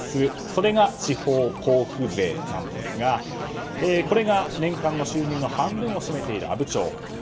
それが地方交付税なんですがこれが年間の収入の半分を占めている阿武町。